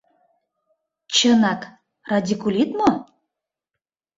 Чынак радикулит мо?